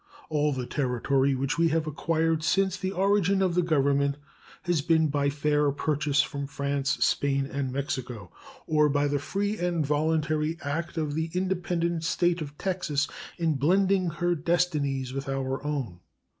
All the territory which we have acquired since the origin of the Government has been by fair purchase from France, Spain, and Mexico or by the free and voluntary act of the independent State of Texas in blending her destinies with our own.